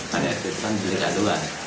karyak sejujurnya jadi karyak